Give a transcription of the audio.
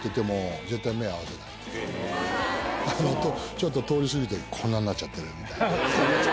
ちょっと通り過ぎる時こんなんなっちゃってる。